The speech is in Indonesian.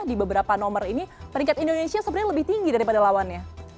di beberapa nomor ini peringkat indonesia sebenarnya lebih tinggi daripada lawannya